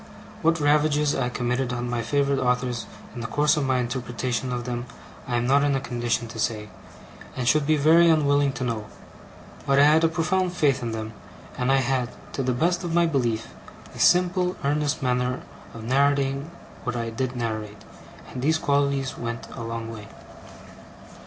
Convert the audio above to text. What ravages I committed on my favourite authors in the course of my interpretation of them, I am not in a condition to say, and should be very unwilling to know; but I had a profound faith in them, and I had, to the best of my belief, a simple, earnest manner of narrating what I did narrate; and these qualities went a long way.